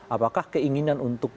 apakah keinginan untuk